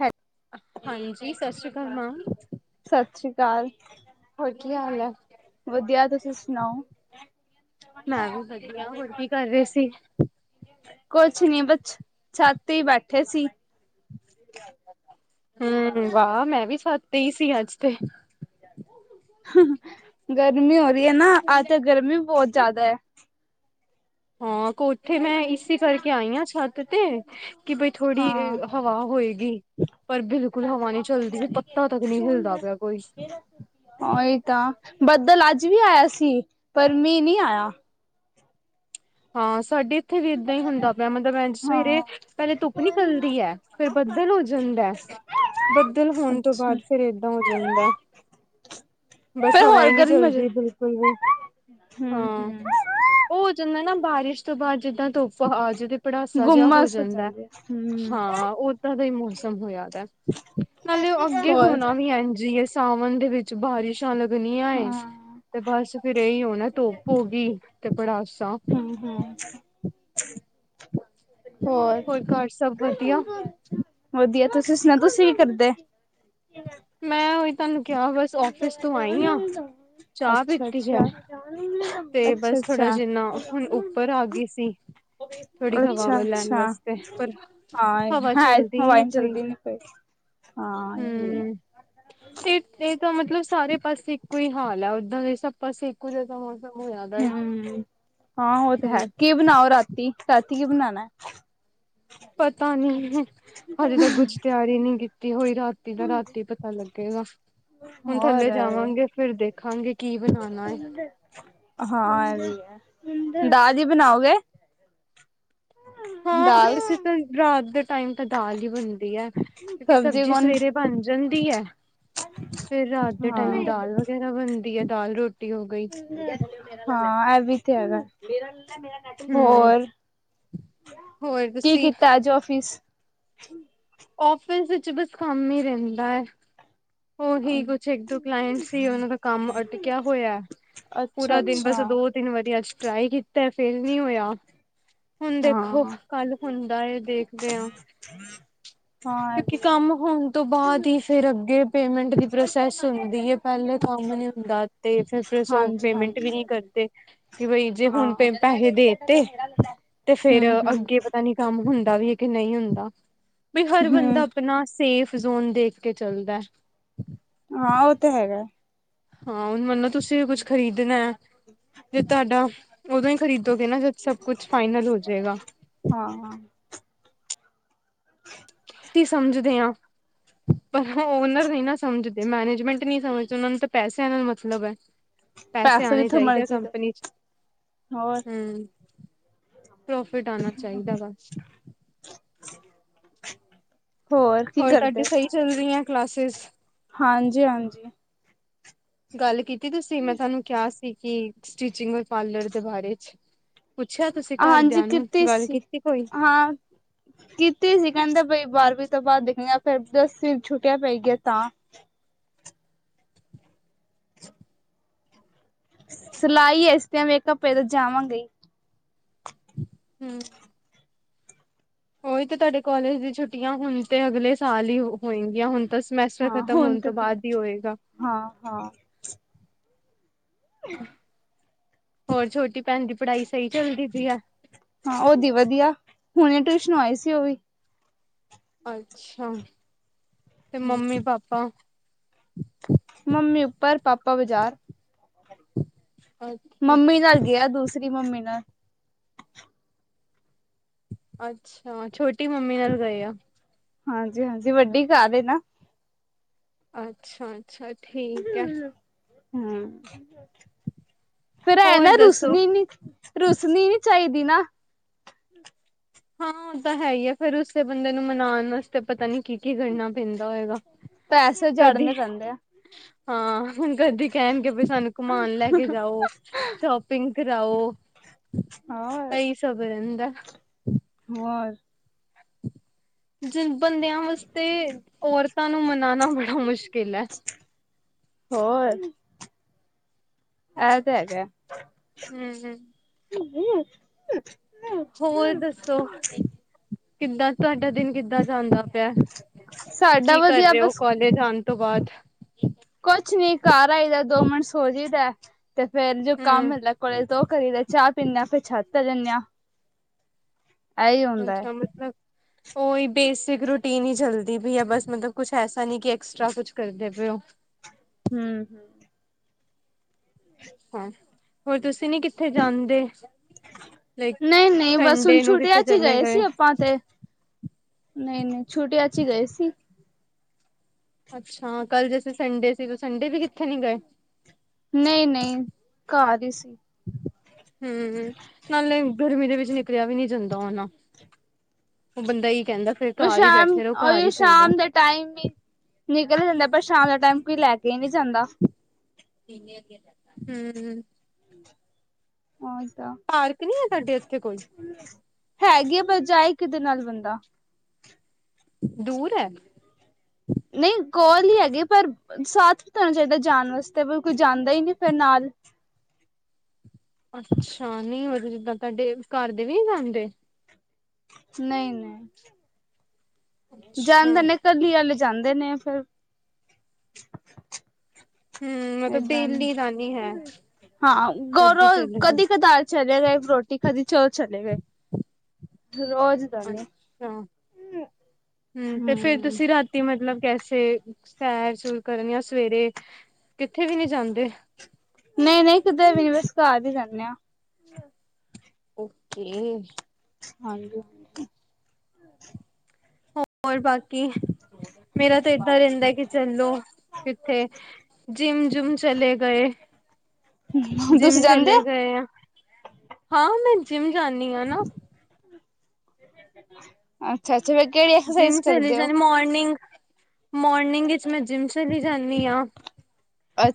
ਹੈ ਹਾਂਜੀ ਸਸ ਸ੍ਰੀ ਕਾਲ ਮੈਮ ਸਤਿ ਸ੍ਰੀ ਅਕਾਲ ਹੋਰ ਕੀ ਹਾਲ ਆ। ਵਧੀਆ ਤੁਸੀਂ ਸੁਣਾਓ। ਮੈਂ ਵੀ ਵਧੀਆ ਹੋਰ ਕੀ ਕਰ ਰਹੇ ਸੀ। ਕੁੱਛ ਨੀ ਬਸ ਛੱਤ ਹੀ ਬੈਠੇ ਸੀ। ਹਮ ਵਾਹ ਮੈਂ ਵੀ ਛੱਤ ਤੇ ਸੀ ਅੱਜ ਤੇ। ਗਰਮੀ ਹੋ ਰਹੀ ਹੈ ਨਾ ਅੱਜ ਤਾਂ ਗਰਮੀ ਬਹੁਤ ਜਾਦਾ। ਹਾਂ ਕੋਠੇ ਮੈਂ ਇਸੀ ਕਰਕੇ ਆਈ ਹਾਂ ਛੱਤ ਤੇ ਕਿ ਬਈ ਥੋੜੀ ਹਾਂ ਹਵਾ ਹੋਏਗੀ। ਪਰ ਬਿਲਕੁਲ ਹਵਾ ਨੀ ਚਲਦੀ ਪੱਤਾ ਤੱਕ ਨਹੀਂ ਹਿਲਦਾ ਪਿਆ ਕੋਈ। ਓਹੀ ਤਾਂ ਬੱਦਲ ਅੱਜ ਵੀ ਆਇਆ ਸੀ ਪਰ ਮੀ ਨੀ ਆਇਆ। ਹਾਂ ਸਾਡੇ ਇੱਥੇ ਵੀ ਇੱਦਾਂ ਹੀ ਹੁੰਦਾ ਪਿਆ ਮਤਲਬ ਇੰਜ ਸਵੇਰੇ ਹਾਂ ਪਹਿਲੇ ਧੁੱਪ ਨਿਕਲਦੀ ਹੈ ਫੇਰ ਬੱਦਲ ਹੋ ਜਾਂਦਾ। ਬੱਦਲ ਹੋਣ ਤੋਂ ਅੱਛਾ ਬਾਅਦ ਫਿਰ ਏਦਾਂ ਹੋ ਜਾਂਦਾ। ਬਸ ਫਿਰ ਹਵਾ ਹੋਰ ਨਹੀਂ ਗਰਮੀ ਹੋ ਚਲਦੀ ਜਾਂਦੀ ਬਿਲਕੁਲ ਵੀ ਹਮ ਹਾਂ। ਹਮ ਉਹ ਹੋ ਜਾਂਦਾ ਨਾ ਬਾਰਿਸ਼ ਤੋਂ ਬਾਦ ਜਿੱਦਾਂ ਧੁੱਪ ਆਜੇ ਤੇ ਪੜਾਸਾ ਜਿਹਾ ਹੋ ਗੁੰਮਸ ਜਾਂਦਾ ਜਾਂਦੀ ਹਾਂ ਉਹ ਦਾ ਹੀ ਮੌਸਮ ਹੋਆ ਦਾ ਨਾਲੇ ਉਹ ਹਮ ਅੱਗੇ ਹੋਰ ਹੋਣਾ ਵੀ ਐਜ ਹੀ ਹੈ। ਸਾਵਣ ਦੇ ਵਿੱਚ ਬਾਰਿਸ਼ ਛਾਂ ਲੱਗਣੀਆਂ ਏ ਹਾਂ ਤੇ ਬਸ ਫੇਰ ਇਹੀ ਹੋਣਾ ਧੁੱਪ ਹੋ ਗਈ ਤੇ ਪੜਾਸਾ। ਹਾਂ ਘਰ ਸਭ ਵਧੀਆ। ਹੋਰ ਵਧੀਆ ਤੁਸੀ ਸੁਣਾ ਤੁਸੀ ਕੀ ਕਰਦੇ। ਮੈਂ ਉਹੀ ਤੁਹਾਨੂੰ ਕਿਹਾ ਬਸ ਆਫ਼ਿਸ ਤੋਂ ਆਈ ਆ ਚਾਹ ਅੱਛਾ ਪੀਤੀ ਹੈ। [unintelligible] ਤੇ ਬਸ ਥੋੜਾ ਅੱਛਾ ਜਿੰਨਾ ਹੁਣ ਉੱਪਰ ਆ ਗੀ ਸੀ। ਥੋੜ੍ਹੀ ਹਵਾ ਵ ਲੈਣ ਵਾਸਤੇ ਪਰ ਹਾ ਹਵਾ ਹਾਂ ਚੱਲਦੀ ਹਵਾ ਨੀ ਚਲਦੀ ਨਹੀ ਪਈ ਹਾਂ ਇਹ ਵੀ ਹੈ। ਹੂੰ। ਤੇ ਇਹ ਤਾਂ ਮਤਲਬ ਸਾਰੇ ਪਾਸੇ ਇੱਕੋ ਹੀ ਹਾਲ ਹੈ, ਉੱਧਰ ਇਹ ਸਭ ਪਾਸੇ ਇੱਕੋ ਜ ਤਾਂ ਮੋ ਹਮ ਹਾਂ ਉਹ ਤੇ ਹੈ ਹੂੰ। ਕੀ ਬਣਾਓ ਰਾਤੀ, ਰਾਤੀ ਕੀ ਬਣਾਣਾ। ਪਤਾ ਨੀ ਹਜੇ ਤੱਕ ਕੁਛ ਤਿਆਰੀ ਨਹੀਂ ਕੀਤੀ ਹੋਈ ਰਾਤ ਤੀ ਦਾ ਰਾਤੀ ਪਤਾ ਲੱਗੇਗਾ। ਹੁਣ ਥੱਲੇ ਹੋਰ ਜਾਵਾਂਗੇ ਫਿਰ ਦੇਖਾਂਗੇ ਕੀ ਬਣਾਣਾ ਹੈ। ਹਾਂ ਇਹ ਵੀ ਹੈ ਦਾਲ ਹੀ ਬਣਾਓਗੇ। ਹਾ ਦਾਲ ਵੇਸੇ ਤਾ ਰਾਤ ਦੇ ਟਾਈਮ ਤਾ ਦਾਲ ਹੀ ਬਣਦੀ ਹੈ। ਕਿਉਂਕਿ ਸਬਜ਼ੀ ਸਵੇਰੇ ਬਣ ਜਾਂਦੀ ਹੈ, ਫੇਰ ਰਾਤ ਦੇ ਹਾਂ ਟਾਈਮ ਦਾਲ ਵਗੇਰਾ ਬਣਦੀ ਹੈ ਦਾਲ ਰੋਟੀ ਹੋ ਗਈ। ਹਾਂ ਇਹ ਐਵੀ ਤੇ ਹੈਗਾ। ਹੂੰ। ਹੋਰ ਹੋਰ ਕੀ ਤੁਸੀਂ ਕੀਤਾ ਅੱਜ ਆਫਿਸ। ਆਫਿਸ ਵਿੱਚ ਬਸ ਕੰਮ ਹੀ ਰਹਿੰਦਾ ਹੈ। ਉਹੀ ਕੁਛ ਇੱਕ ਦੋ ਕਲਾਇੰਟ ਸੀ, ਉਹਨਾਂ ਦਾ ਕੰਮ ਅਟਕਿਆ ਹੋਇਆ। ਅੱਛਾ, ਪੂਰਾ ਦਿਨ ਅੱਛ ਬਸ ਦੋ, ਤਿੰਨ ਵਾਰੀ ਅੱਜ ਟਰਾਈ ਕੀਤਾ ਫੇਲ ਨਈ ਹੋਇਆ। ਹੁਣ ਦੇਖੋ ਹਾਂ ਕੱਲ ਹੁੰਦਾ ਏ ਦੇਖਦੇ ਆ। [inaudible] ਹਾਂ ਇਹ ਕਿਉਂਕਿ ਵੀ ਹੈ ਕੰਮ ਹੋਣ ਤੋਂ ਬਾਦ ਈ ਫੇਰ ਅੱਗੇ ਪੇਮੈਂਟ ਦੀ ਪ੍ਰੋਸੈਸ ਹੁੰਦੀ ਏ। ਪੈਲੇ ਕੰਮ ਨੀ ਹੁੰਦਾ ਤੇ ਫੇਰ ਸਿਰ [unintelligible] ਉਹ ਹਾਂਜੀ ਪੇਮੈਂਟ ਹਾਂਜੀ ਵੀ ਨਹੀਂ ਕਰਦੇ। ਕਿ ਬਈ ਜੇ ਹਾਂ। ਹੁਣ ਪੇਮੇਂਟ ਪੈਹੇ ਦੇਤੇ ਤੇ ਫੇਰ ਹੂੰ, ਅੱਗੇ ਹੂੰ, ਪਤਾ ਨੀ ਕੰਮ ਹੁੰਦਾ ਵੀ ਐ ਕਿ ਨਈ ਹੁੰਦਾ। ਵੀ ਹਰ ਬੰਦਾ ਹੂੰ ਅਪਣਾ ਸੇਫ ਜ਼ੋਨ ਦੇਖ ਕੇ ਚਲਦਾ। ਹਾਂ, ਉਹ ਤੇ ਹੈਗਾ। ਹਾਂ, ਹੁਣ ਮਣੋ ਤੁਸੀਂ ਕੁਝ ਖ਼ਰੀਦਣਾ ਜੇ ਤੁਆਡਾ ਉਦੋਂ ਈ ਖਰੀਦੋਗੇ ਨਾ ਜਦ ਸਭ ਕੁਛ ਫਾਈਨਲ ਹੋ ਜੇਗਾ। ਹਾਂ, ਹਾਂ। ਕੀ ਸਮਝਦੇ ਆ। ਪਰ ਓਨਰ ਨਈ ਨਾ ਸਮਝਦੇ ਮੈਨੇਜਮੈਂਟ ਨਈ ਸਮਝਦੇ ਉਹਨਾ ਨੂੰ ਤਾਂ ਪੈਸਿਆਂ ਨਾਲ ਮਤਲਬ ਐ। ਪੈਸੇ ਆਣੇ ਜਿੱਥੋਂ ਚਾਈਦੇ ਆ ਮਰਜ਼ੀ ਦੋ ਕੰਪਨੀ ਚ ਹੋਰ, ਹੂੰ ਪ੍ਰੋਫਿਟ ਆਣਾ ਚਾਈਦਾ ਬਸ ਹੋਰ ਕੀ ਕਰਦੇ? ਤੁਹਾਡੀ ਸਹੀ ਚੱਲ ਰਹੀਆਂ ਕਲਾਸਿਸ ਹਾਂਜੀ, ਹਾਂਜੀ। ਗੱਲ ਕੀਤੀ ਤੁਸੀਂ, ਮੈਂ ਤੁਆਨੂੰ ਕਿਆ ਸੀ ਕਿ ਸਟਿਚਿੰਗ ਓਰ ਪਾਰਲਰ ਦੇ ਬਾਰੇ ਚ ਪੁੱਛਿਆ ਤੁਸੀਂ ਹਾਂਜੀ ਘਰਦਿਆਂ ਨੂੰ ਕੀਤੀ ਗੱਲ ਸੀ, ਕੀਤੀ ਕੋਈ ਹਾਂ ਕੀਤੀ ਸੀ ਕਹਿੰਦੇ ਬਈ ਬਾਰਵੀਂ ਤੋਂ ਬਾਦ ਦੇਖਣੀਆਂ ਫਿਰ ਦਸਵੀਂ ਛੁੱਟਿਆ ਪਈ ਗਿਆ ਤਾਂ ਸਿਲਾਈ ਇਸ [unintelligible] ਇਕ ਜਾਵਾਂਗੇ ਈ। ਹੂੰ। ਉਹੀ ਤੇ ਤੁਆਡੇ ਕੋਲੇਜ ਦੀ ਛੁੱਟੀਆਂ, ਹੁਣ ਤੇ ਅਗਲੇ ਸਾਲ ਈ ਹੋਏਂਗੀਆਂ ਹੁਣ ਤਾਂ ਸਮੈਸਟਰ ਹਾਂ ਖਤਮ ਹੁਣ ਹੋਣ ਤੇ ਤੋਂ ਬਾਦ ਈ ਹੋਏਗਾ। ਹਾਂ, ਹਾਂ, [inaudible] ਹੋਰ ਛੋਟੀ ਭੈਣ ਦੀ ਪੜਾਈ ਸਈ ਚੱਲਦੀ ਪਈ ਆ। ਹਾਂ ਉਹਦੀ ਵਦੀਆ, ਹੁਣੇ ਟਿਊਸ਼ਨੋ ਆਈ ਸੀ ਉਹ ਵੀ ਅੱਛਾ, ਤੇ ਮੰਮੀ ਪਾਪਾ ਮੰਮੀ ਉੱਪਰ, ਪਾਪਾ ਬਾਜ਼ਾਰ ਮੰਮੀ ਨਾਲ ਗਿਆ ਦੂਸਰੀ ਮੰਮੀ ਨਾਲ ਅੱਛਾ, ਛੋਟੀ ਮੰਮੀ ਨਾਲ ਗਏ ਆ। ਹਾਂਜੀ-ਹਾਂਜੀ ਵੱਡੀ ਘਰ ਏ ਨਾ ਅੱਛਾ, ਅੱਛਾ ਠੀਕ ਐ। ਹੂੰ, ਫੇਰ ਐ ਨਾ ਹੋਰ ਦੱਸੋ? ਰੁਸਨੀ ਨੀ ਰੂਸਨੀ ਨੀ ਚਾਈਦੀ ਨਾ ਹਾਂ ਹੁਣ ਤਾਂ ਹੈ ਈ ਆ, ਫੇਰ ਰੁੱਸੇ ਬੰਦੇ ਨੂੰ ਮਨਾਣ ਵਾਸਤੇ ਪਤਾ ਨੀ ਕੀ-ਕੀ ਕਰਨਾ ਪੈਂਦਾ ਹੋਏਗਾ, ਪੈਸੇ ਕਦੇ ਜੜਨੇ ਪੈਂਦੇ ਆ ਹਾਂ ਹੁਣ ਕਦੀ ਕਹਿਣਗੇ ਵੀ ਸਾਨੂੰ ਘੁਮਾਣ ਲੈ ਕੇ ਜਾਓ ਸ਼ੋਪਿੰਗ ਕਰਾਊ ਹੋਰ ਇਹੀ ਸਬ ਰਹਿੰਦਾ। ਓਰ ਜਿੰਨ ਬੰਦਿਆਂ ਵਾਸਤੇ ਔਰਤਾਂ ਨੂੰ ਮਨਾਣਾ ਬੜਾ ਮੁਸ਼ਕਿਲ ਐ। ਹੋਰ। ਐ ਤਾਂ ਹੈਗਾ। ਹੂੰ-ਹੂੰ। ਹੋਰ ਦੱਸੋ, ਕਿੱਦਾਂ ਤੁਆਡਾ ਦਿਨ ਕਿੱਦਾਂ? ਕਿੱਦਾਂ ਜਾਂਦਾ ਪਿਆ? ਸਾਡਾ ਕੀ ਕਰ ਵਧੀਆ ਰਹੇ ਓ ਬਸ ਕਾਲੇਜ ਆਣ ਤੋਂ ਬਾਦ। ਕੋਛ ਨੀ, ਘਰ ਆਈਦਾ ਦੋ ਮਿੰਟ ਸੌ ਜੀ ਦਾ। ਤੇ ਫੇਰ ਜੋ ਕੰਮ ਹਮ ਮਿਲਦਾ ਕੋਲੇਜ ਤੋ ਉਹ ਕਰੀ ਦਾ, ਚਾਹ ਪੀਣੇ ਫਿਰ ਛੱਤ ਤੇ ਜਣੇ ਆ। ਇਹੀ ਹੁੰਦਾ ਹੈ ਅੱਛਾ, ਮਤਲਬ ਉਹ ਕੋਈ ਬੇਸਿਕ ਰੂਟੀਨ ਹੀ ਚਲਦੀ ਪਈ ਹੈ। ਬਸ ਮਤਲਬ ਕੁਛ ਐਸਾ ਨਹੀਂ ਕਿ ਐਕਸਟਰਾ ਕੁਛ ਕਰਦੇ ਪਏ ਹੋ। ਹੂੰ ਹੂੰ। ਹਾਂ ਹੋਰ ਤੁਸੀਂ ਨੀ ਕਿੱਥੇ ਜਾਂਦੇ ਲਾਇਕ ਨਹੀਂ ਨਹੀਂ ਬਸ ਹੁਣ ਸੰਡੇ ਨੂੰ ਛੁੱਟੀਆਂ ਕਿੱਥੇ ਚ ਹੀ ਚਲੇ ਗਏ। ਸੀ ਆਪਾਂ ਤੇ ਨਹੀਂ ਨਹੀਂ ਛੁੱਟੀਆਂ 'ਚ ਹੀ ਗਏ ਸੀ। ਅੱਛਾ ਕੱਲ ਜੈਸੇ ਸੰਡੇ ਸੀ। ਸੰਡੇ ਵੀ ਕਿੱਥੇ ਨਹੀਂ ਗਏ। ਨਹੀਂ ਨਹੀਂ ਘਰ ਹੀ ਸੀ। ਹੂੰ ਨਾਲੇ ਗਰਮੀ ਦੇ ਵਿੱਚ ਨਿਕਲਿਆ ਵੀ ਨਹੀਂ ਜਾਂਦਾ ਹੋਣਾ। ਹੁਣ ਬੰਦਾ ਕੀ ਕਹਿੰਦਾ ਹੈ। ਫੇਰ ਵੀ ਘਰ ਹੀ ਸ਼ਾਮ ਬੈਠੇ ਰਹੋ ਘਰ ਓਹੀ ਹੀ ਸਹੀ ਸ਼ਾਮ ਦੇ। ਟਾਈਮ ਵੀ ਨਿਕਲ ਜਾਂਦਾ ਹੈ। ਪਰ ਸ਼ਾਮ ਦਾ ਟਾਈਮ ਕੋਈ ਲੈ ਕੇ ਹੀ ਨਹੀਂ ਜਾਂਦਾ ਹੈ। ਹੂੰ। ਔਰ ਕਿਆ। ਪਾਰਕ ਨੀ ਹੈ ਸਾਡੇ ਉੱਥੇ ਕੋਈ। ਹੈਗੀ ਆ ਪਰ ਜਾਏ ਕਿਦੇ ਨਾਲ ਬੰਦਾ। ਦੂਰ ਹੈ। ਨਹੀਂ ਕੋਲ ਹੀ ਹੈਗੇ ਪਰ। ਸਾਥ ਤਾਂ ਹੋਣਾ ਚਾਹੀਦਾ ਹੈ। ਜਾਣ ਵਾਸਤੇ ਪਰ ਕੋਈ ਜਾਂਦਾ ਹੀ ਨਹੀਂ ਫਿਰ ਨਾਲ। ਅੱਛਾ ਨਹੀਂ ਵੀ ਜਿੱਦਾਂ ਤੁਹਾਡੇ ਘਰ ਦੇ ਵੀ ਜਾਂਦੇ। ਨਹੀਂ ਨਹੀਂ। ਅੱਛਾ ਜਾਂਦੇ ਨੇ ਕਦੀ ਵੱਲ ਜਾਂਦੇ ਨੇ ਫਿਰ। ਹਮ ਮਤਲਬ ਏਦਾਂ ਡੇਲੀ ਦਾ ਨੀ ਹੈ ਨਹੀਂ ਹਾਂ ਕਦੀ ਗੌਰਵ ਚਲੇ ਗਏ ਕਦੀ ਕਦਾਈਂ। ਚਲੇ ਗਏ ਹੁਣ ਰੋਟੀ ਖਾਧੀ ਸੀ। ਚਲੇ ਗਏ ਰੋਜ਼। ਦਾ ਨੀ ਅੱਛਾ ਹੂੰ ਤੇ ਫੇਰ ਹਮ ਤੁਸੀਂ ਰਾਤੀ। ਰਾਤੀ ਮਤਲਬ ਕੈਸੇ ਸੈਰ ਸੁਰ ਕਰਨ ਜਾਂ ਸਵੇਰੇ ਕਿੱਥੇ ਵੀ ਨਹੀਂ ਜਾਂਦੇ। ਨਹੀਂ ਨਹੀਂ ਕਿਤੇ ਵੀ ਨਹੀਂ ਬਸ ਘਰ ਹੀ ਰਹਿਣੇ ਹਾਂ। ਓਕੇ। ਹਾਂਜੀ। ਹੋਰ ਬਾਕੀ ਮੇਰਾ ਤਾਂ ਏਦਾਂ ਰਹਿੰਦਾ ਕਿ ਚਲੋ ਕਿੱਥੇ। ਜਿਮ ਜੁਮ ਚਲੇ ਗਏ ਤੁਸੀਂ ਜਿਮ ਜਾਂਦੇ ਚਲੇ ਹੋ ਗਏ। ਹਾਂ ਮੈਂ ਜਿਮ ਜਾਂਦੀ ਹਾਂ ਨਾ। ਅੱਛਾ ਅੱਛਾ ਫੇਰ ਕਿਹੜੀ ਜਿੰਮ ਐਕਸਰਸਾਈਜ਼ ਚਲੀ ਕਰਦੇ ਹੋ? ਜਾਂਦੀ ਮੋਰਨਿੰਗ। ਮੋਰਨਿੰਗ ਵਿਚ ਮੈਂ ਜਿੰਮ ਚਲੀ ਜਾਂਦੀ ਹਾਂ।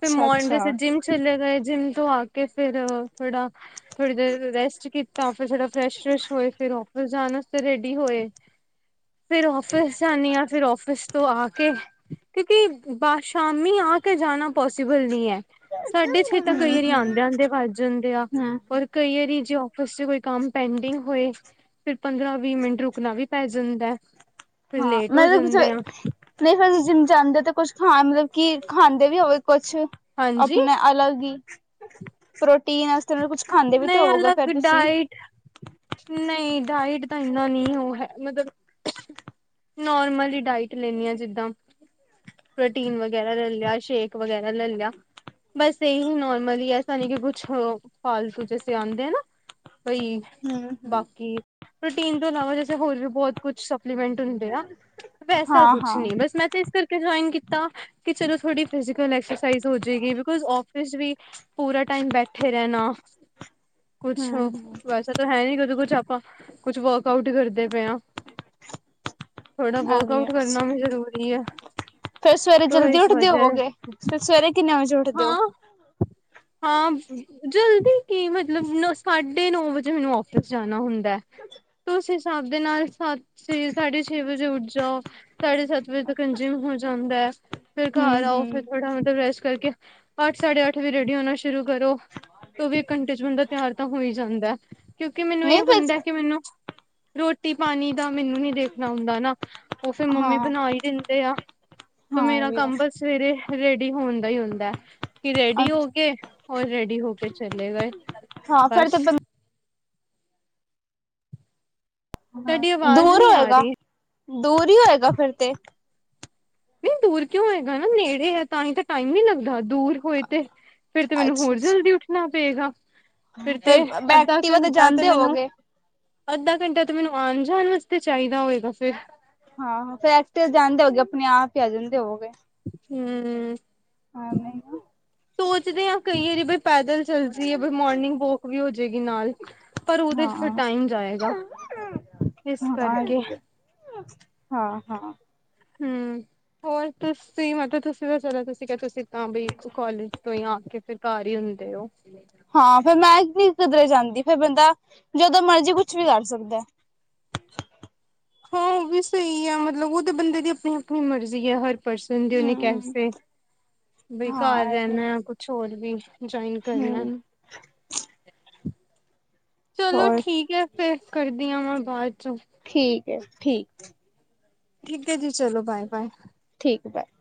ਫੇਰ ਅੱਛਾ ਮੋਰਨਿੰਗ ਜਿੰਮ। ਚੱਲੇ ਗੇ ਜਿੰਮ ਤੋਂ ਆ ਕੇ ਫ਼ੇਰ ਥੋੜਾ ਥੋੜੀ ਦੇਰ ਰੈਸਟ ਕੀਤਾ ਫਿਰ ਥੋੜਾ। ਫਰੈਸ਼ ਫਰੈਸ਼ ਹੋਏ ਫੇਰ ਔਫਿਸ ਜਾਣ ਵਾਸਤੇ ਰੈਡੀ ਹੋਏ। ਫੇਰ ਔਫਿਸ ਜਾਂਣੀ ਆਂ ਫੇਰ ਔਫਿਸ। ਤੋਂ ਆ ਕੇ ਕਿਉਂਕਿ ਬਾਹਰ ਸ਼ਾਮੀ ਆ ਕੇ ਜਾਣਾ ਪੋਸੀਿਬਲ ਨਹੀਂ ਹੈ। ਸਾਢੇ ਛੇ ਹਮ ਤ ਕਈ ਵਾਰੀ ਆਉਂਦੇ ਆਦੇ ਆ ਵੱਜ ਜਾਂਦੇ ਆ ਰ ਕਈਾਰੀ ਜੇ ਆਫਿਸ ਚ ਕੋਈ ਕੰਮ ਪੈਂਡਿੰਗ ਹੋਏ। ਫਿਰ ਪੰਦਰਾਂ ਵੀਹ ਮਿੰਟ ਰੁਕਣਾ ਵੀ ਪੈ ਜਾਂਦਾ। ਫਿਰ ਹਾਂ ਲੇਟ ਹੋ ਮੈਂ ਜਾਂਦੇ ਆ ਨਹੀਂ ਫਿਰਸੀ ਜਿਨ ਜਾਦੇ ਕੁਛ ਖਾਦੇ ਕਿ ਖਾਂਦੇ ਵੀ ਹੋਵੇ ਕੁਛ ਹਾਂਜੀ ਆਪਣੇ ਅਲੱਗ ਹੀ ਪ੍ਰੋਟੀਨ ਵਸ ਉਹ ਨੂੰ ਕੁਛ ਖਾਂਦੇ ਵੀ ਤਾਂ ਨਹੀਂ ਹੋਵੋਗੇ ਅਲੱਗ ਫੇਰ ਤੁਸੀਂ ਡਾਇਟ ਨਹੀਂ ਡਾਇਟ ਤਾਂ ਇੰਨਾ ਨਹੀਂ ਉਹ ਹੈ ਮਤਲਬ ਨੋਰਮਲ ਹੀ ਡਾਇਟ ਲੈਂਦੀ ਹ ਜਿੱਦਾਂ ਪ੍ਰੋਟੀਨ ਵਗੈਰਾ ਲੈ ਲਿਆ ਸ਼ੇਕ ਵਗੈਰਾ ਲੈ ਲਿਆ ਬਸ ਇਹੀ ਨੋਰਮਲੀ ਐਸਾ ਨਹੀਂ ਕਿ ਕੁਛ ਹੋ ਫਾਲਤੂ ਜ ਸੇ ਆਉਂਦੇ ਆ ਨਾ ਬਈ ਹਮ ਹਮ ਬਾਕੀ ਪ੍ਰੋਟੀਨ ਤੋਂ ਇਲਾਵਾ ਜੈਸੇ ਹੋਰ ਵੀ ਬਹੁਤ ਕੁਛ ਸ ਹ ਵੈਸਾ ਹਾਂ ਕੁਛ ਹਾਂ ਨ ਬ ਮੈਂ ਕਰ ਜਇ ਕੀਤਾ। ਕਿ ਚਲੋ ਥੋੜੀ ਫਿਜ਼ੀਕਲ ਐਕਸਾਈਜ਼ ਹੋ ਜੇਗੀ ਬਿਕੋਜ਼ ਆਫਿਸ ਵੀ ਪੂਰਾ ਟਾਈਮ ਬੈਠੇ ਰਹਿਣਾ ਕੁਛ ਹਮ ਔਫ ਹਮ ਵੈਸੇ ਤੇ ਹੈ ਈ ਨੀ ਕਦੋਂ ਕੁਛ ਆਪਾਂ, ਕੁਛ ਵਰਕ ਆਊਟ ਈ ਕਰਦੇ ਪਏ ਆਂ। ਥੋੜਾ ਵਰਕ ਆਊਟ ਕਰਨਾ ਵੀ ਜ਼ਰੂਰੀ ਐ। ਫੇਰ ਸਵੇਰੇ ਜਲਦੀ ਉੱਠਦੇ ਹੋਵੋਗੇ? ਫਿਰ ਸਵੇਰੇ ਕਿੰਨੇ ਵਜੇ ਉੱਠਦੇ ਔ? ਹਾਂ, ਜਲਦੀ ਕੀ ਮਤਲਬ ਨ ਸਾਢੇ ਨੋ ਵਜੇ ਮੈਨੂੰ ਔਫਿਸ ਜਾਣਾ ਹੁੰਦੈ। ਤੋ ਉਸ ਹਿਸਾਬ ਦੇ ਨਾਲ ਸੱਤ, ਛੇ-ਸਾਢੇ ਛੇ ਵਜੇ ਉੱਠ ਜਾਔ। ਸਾਢੇ ਸੱਤ ਵਜੇ ਤੱਕ ਕੰਜਿਊਮ ਹੋ ਜਾਂਦੈ। ਫੇਰ ਹਮ ਘਰ ਆਔ, ਹਮ ਫੇਰ ਥੋੜਾ ਮਤਲਬ ਰੈਸਟ ਕਰਕੇ ਅੱਠ-ਸਾਢੇ ਅੱਠ ਵਜੇ ਲਿਆਣਾ ਸ਼ੁਰੂ ਕਰੋ ਤੇ ਵੀ ਇੱਕ ਘੰਟੇ 'ਚ ਬੰਦਾ ਤਿਆਰ ਤਾਂ ਹੋ ਈ ਜਾਂਦੈ। ਕਿਉਂਕਿ ਮੈਨੂੰ ਨਹੀਂ ਏ ਹੁੰਦੈ ਫਿਰ ਕਿ ਮੈਨੂੰ ਰੋਟੀ ਪਾਣੀ ਦਾ ਮੈਨੂੰ ਨੀ ਦੇਖਣਾ ਹੁੰਦਾ ਨਾ। ਔ ਫਿਰ ਮੰਮੀ ਹਾਂ ਬਨਾ ਈ ਦਿੰਦੇ ਆ। ਫੇਰ ਹਾਂ ਇਹ ਮੇਰਾ ਵੀ ਹੈ ਕੰਮ ਬਸ ਸਵੇਰੇ ਰੇਡੀ ਹੋਣ ਦਾ ਈ ਹੁੰਦੈ ਕਿ ਰੈਡੀ ਹੋ ਅੱਛਾ ਕੇ ਔਰ ਰੇਡੀ ਹੋ ਕੇ ਚਲੇ ਗਏ। ਹਾਂ ਫੇਰ ਬਸ ਤੇ ਬੰ ਤੁਹਾਡੀ ਆਵਾਜ਼ ਦੂਰ ਨਹੀਂ ਆ ਹੋਏਗਾ, ਰਹੀ। ਦੂਰ ਈ ਹੋਏਗਾ ਫਿਰ ਤੇ। ਨਈ ਦੂਰ ਕਿਉਂ ਹੋਇਗਾ ਨਾ ਨੇੜੇ ਆ ਤਾਂ ਈ ਤਾਂ ਟਾਈਮ ਨੀ ਲੱਗਦਾ ਦੂਰ ਹੋਏ ਤੇ ਫੇਰ ਤੇ ਮੈਨੂੰ ਅੱਛਾ ਹੋਰ ਜਲਦੀ ਅੱਛਾ ਉੱਠਣਾ ਪਏਗਾ। ਫਿਰ ਤੇ ਫਿਰ ਅੱਧਾ ਐਕਟਿਵਾ ਘੰਟਾ ਤੇ ਜਾਂਦੇ ਮੈਨੂੰ ਹੋਵੋਗੇ ਅੱਧਾ ਘੰਟਾ ਤਾਂ ਮੈਨੂੰ ਆਣ ਜਾਣ ਵਾਸਤੇ ਚਾਈਦਾ ਹੋਏਗਾ ਫੇਰ। ਹਾਂ-ਹਾਂ, ਫੈਕਟਰੀਸ ਜਾਂਦੇ ਹੋਗੇ, ਅਪਣੇ ਆਪ ਈ ਆ ਜਾਂਦੇ ਹੋਵੋਗੇ। ਹੂੰ। ਹਾਂ ਨਈ ਨਾ। ਸੋਚਦੇ ਆਂ ਕਈ ਆਰੀ ਬਈ ਪੈਦਲ ਚੱਲ ਜਾਈਏ ਬ ਮੋਰਨਿੰਗ ਵੋਕ ਵੀ ਹੋ ਜੇਗੀ ਨਾਲ। ਪਰ ਉਦੇ 'ਚ ਹਾਂ ਫੇਰ ਹਾਂ ਟਾਈਮ ਜਾਏਗਾ, ਇਸ ਕਰਕੇ। ਹਾਂ-ਹਾਂ। ਹੂੰ, ਹੋਰ ਤੁਸੀ ਮਤਲਬ ਤੁਸ [unintelligible] ਤੁਸੀ ਕਿਆ ਤੁਸੀ ਤਾਂ ਬਈ ਇੱਕ ਕਾਲਜ ਤੋਂ ਈ ਆ ਕੇ ਫੇਰ ਘਾਰ ਈ ਹੁੰਦੇ ਔ। ਹਾਂ ਫੇਰ ਮੈਂ ਨੀ ਕਿਧਰੇ ਜਾਂਦੀ ਫੇਰ ਬੰਦਾ ਜਦੋਂ ਮਰਜੀ ਕੁਛ ਵੀ ਕਰ ਸਕਦੈ। ਹਾਂ ਔ ਵੀ ਸਈ ਐ ਮਤਲਬ ਔ ਤੇ ਬੰਦੇ ਦੀ ਅਪਣੀ-ਅਪਣੀ ਮਰਜ਼ੀ ਐ ਹੋਰ ਪਰਸਨ ਦੀ ਏਨੀ ਹਮ ਕੈਸੇ, ਬਈ ਘਾਰ ਹਾਂ ਇਹ ਵੀ ਰੈਨੈ ਔ ਕੁਛ ਹੋਰ ਵੀ ਜੁਆਇਨ ਕਰਨੈ। ਹਮ ਚਲੋ ਹੋਰ ਠੀਕ ਐ। ਫੇਫ ਕਰਦੀ ਆਂ ਮੈਂ ਬਾਦ 'ਚੋਂ। ਠੀਕ ਐ, ਠੀਕ ਠੀਕ ਐ ਜੀ, ਚਲੋ ਬਾਏ-ਬਾਏ। ਠੀਕ ਐ, ਬਾਏ।